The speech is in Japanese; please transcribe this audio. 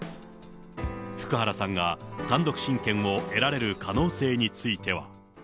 福原さんが単独親権を得られる可能性については。